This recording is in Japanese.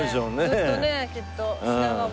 ずっとねきっと。